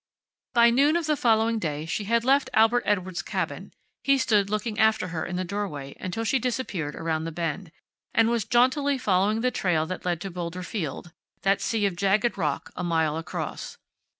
By noon of the following day she had left Albert Edward's cabin (he stood looking after her in the doorway until she disappeared around the bend) and was jauntily following the trail that led to Boulder Field, that sea of jagged rock a mile across.